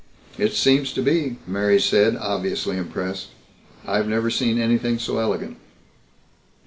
"It seems to be," Mary said, obviously impressed. "I've never seen anything so elegant."